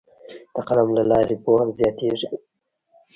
د قلم له لارې پوهه زیاتیږي.